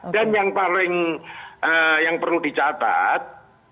dan yang paling yang perlu dicatat